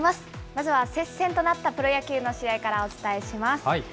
まずは接戦となったプロ野球の試合からお伝えします。